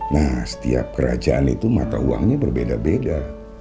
nah setiap kerajaan itu mata uangnya berbeda beda